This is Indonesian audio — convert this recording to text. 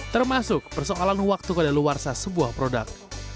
termasuk persoalan waktu keadaan luar sah sebuah produk